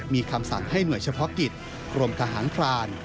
มีคำสั่งให้หน่วยเฉพาะกิจกรมทหารพราน